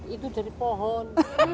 itu dari pohon